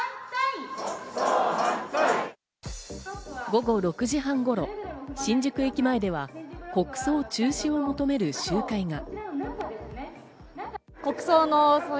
午後６時半頃、新宿駅前では国葬中止を求める集会が。